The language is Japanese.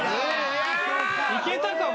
いけたかも。